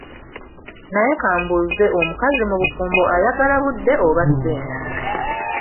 Naye kambuuze omukazi mu bufumbo ayagala budde oba ssente?